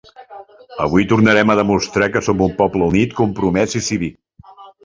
Avui tornarem a demostrar que som un poble unit, compromès i cívic.